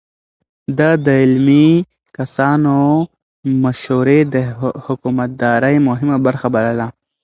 ده د علمي کسانو مشورې د حکومتدارۍ مهمه برخه بلله.